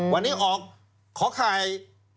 วันนี้ออกขอไคร